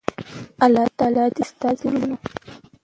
الله تعالی دی ستاسی ټولو ورونو